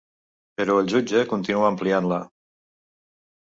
Però el jutge continua ampliant-la.